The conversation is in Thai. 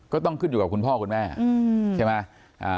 ก็ต้องขึ้นอยู่กับคุณพ่อคุณแม่ใช่ไหม